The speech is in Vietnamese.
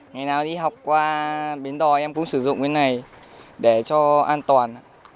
ngày nào đi học qua bến đò em cũng sử dụng bên này để cho an toàn